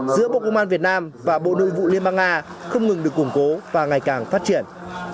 giữa bộ công an việt nam và bộ nội vụ liên bang nga không ngừng được củng cố và ngày càng phát triển